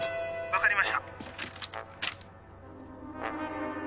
☎分かりました。